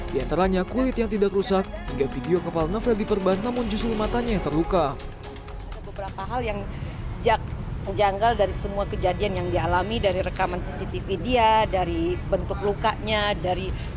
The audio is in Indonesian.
di antaranya kulit yang tidak rusak hingga video kepala novel diperboan namun justru matanya yang terluka